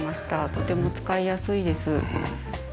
とても使いやすいです。